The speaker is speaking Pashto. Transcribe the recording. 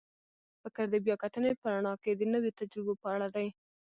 فکر د بیا کتنې په رڼا کې د نویو تجربو په اړه دی.